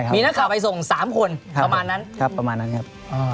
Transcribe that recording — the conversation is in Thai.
มีนักข่าวไปส่ง๓คนประมาณนั้นประมาณนั้นครับ